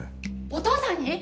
お父さんに！？